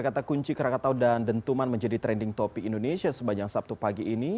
kata kunci krakatau dan dentuman menjadi trending topic indonesia sepanjang sabtu pagi ini